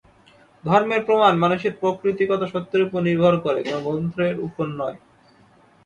ধর্মের প্রমাণ মানুষের প্রকৃতিগত সত্যের উপর নির্ভর করে, কোন গ্রন্থের উপর নয়।